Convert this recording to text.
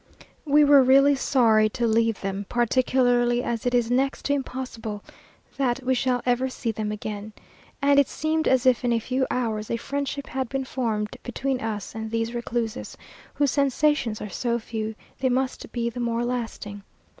We were really sorry to leave them; particularly as it is next to impossible that we shall ever see them again; and it seemed as if in a few hours a friendship had been formed between us and these recluses, whose sensations are so few, they must be the more lasting.